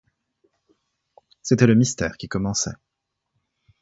C'était le mystère qui commençait.